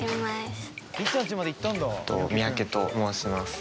えっと三宅と申します。